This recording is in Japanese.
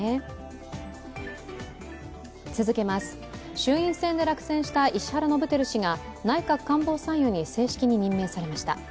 衆院選で落選した石原伸晃氏が内閣官房参与に正式に任命されました。